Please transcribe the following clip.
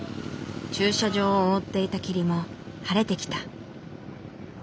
駐車場を覆っていた霧も晴れてきた。